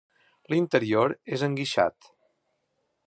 L'interior és enguixat.